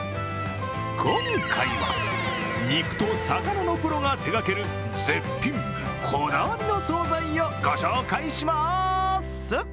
今回は肉と魚のプロが手がける絶品こだわりの総菜をご紹介します。